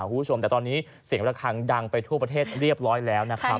คุณผู้ชมแต่ตอนนี้เสียงระคังดังไปทั่วประเทศเรียบร้อยแล้วนะครับ